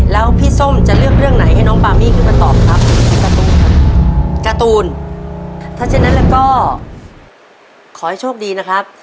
ถ้าเช่นนั้นเราก็ขอให้โชคดีนะครับ